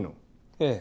ええ。